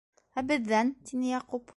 - Ә беҙҙән? - тине Яҡуп.